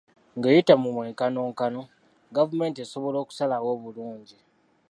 Ng'eyita mu mwenkanonkano, gavumenti esobola okusalawo obulungi.